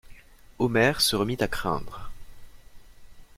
Omer se remit à craindre.